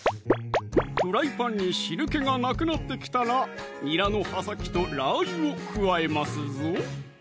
フライパンに汁けがなくなってきたらにらの葉先とラー油を加えますぞ